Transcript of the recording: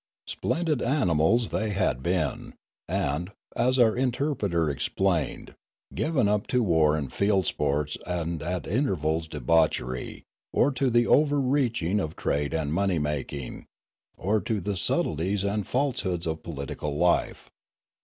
Fialume 71 Splendid animals they had been; and, as our inter preter explained, given up to war and field sports and at intervals debauchery, or to the over reaching of trade and money making, or to the subtleties and false hoods of political life.